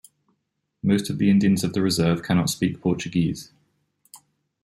Most of the Indians of the reserve cannot speak Portuguese.